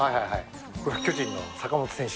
これ巨人の坂本選手。